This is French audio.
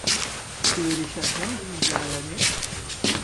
Est-ce que les châtelains vivent là à l’année?